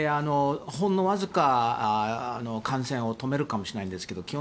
ほんのわずかの感染を止めるかもしれないんですけど